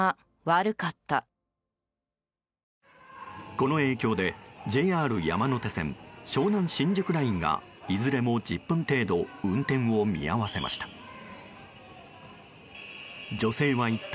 この影響でＪＲ山手線、湘南新宿ラインがいずれも１０分程度運転を見合わせました。